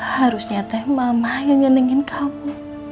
harus nyatain mama yang ngenengin kamu